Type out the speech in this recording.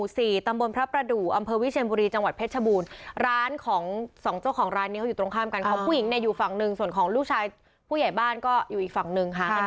ส่วนของผู้หญิงอยู่ฝั่งนึงส่วนของลูกชายผู้ไยบ้านก็อยู่อีกฝั่งนึง